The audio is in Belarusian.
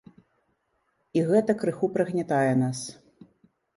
І гэта крыху прыгнятае нас.